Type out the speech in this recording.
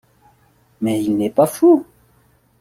Mais il n'est pas fou.